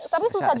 tapi susah juga ya